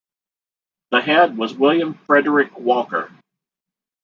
The head was William Frederick Walker.